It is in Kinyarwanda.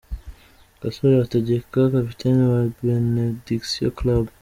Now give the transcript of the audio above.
Gasore Hategeka Kapiteni wa Benediction Club.